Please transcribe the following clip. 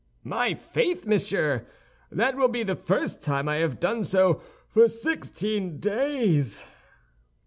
"My faith, monsieur! that will be the first time I have done so for sixteen days."